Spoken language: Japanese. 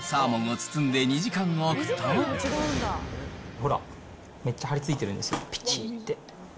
ほら、めっちゃ張り付いてるんですよ。ぴちって。